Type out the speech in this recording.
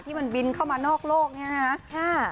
ที่มันบินเข้ามานอกโลกนี้นะครับ